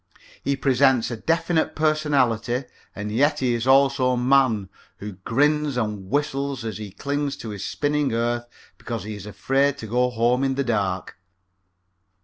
He presents a definite personality and yet he is also Man who grins and whistles as he clings to his spinning earth because he is afraid to go home in the dark.